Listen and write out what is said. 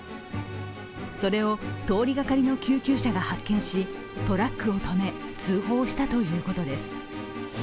それを通りがかりの救急車が発見し、トラックを止め、通報したということです。